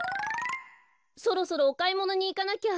そろそろおかいものにいかなきゃ。